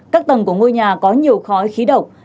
các tầng của ngôi nhà có nhiều khói khí độc